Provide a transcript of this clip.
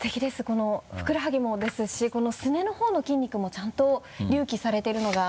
このふくらはぎもですしこのすねの方の筋肉もちゃんと隆起されてるのが。